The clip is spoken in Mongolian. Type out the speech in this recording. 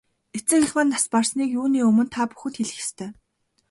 Эцэг эх маань нас барсныг юуны өмнө та бүхэнд хэлэх ёстой.